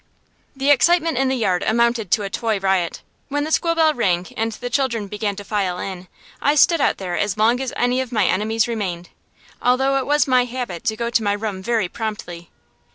The excitement in the yard amounted to a toy riot. When the school bell rang and the children began to file in, I stood out there as long as any of my enemies remained, although it was my habit to go to my room very promptly.